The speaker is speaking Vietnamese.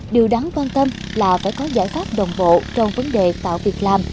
điều đáng quan tâm là phải có giải pháp đồng bộ trong vấn đề tạo việc làm